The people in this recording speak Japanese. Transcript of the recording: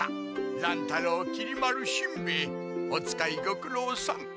乱太郎きり丸しんべヱお使いごくろうさん。